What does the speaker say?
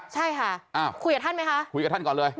ใช่ค่ะคุยกับท่านไหมค่ะ